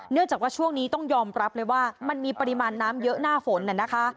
จากว่าช่วงนี้ต้องยอมรับเลยว่ามันมีปริมาณน้ำเยอะหน้าฝนน่ะนะคะ